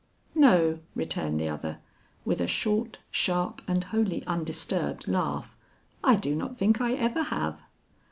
"No," returned the other, with a short, sharp, and wholly undisturbed laugh, "I do not think I ever have."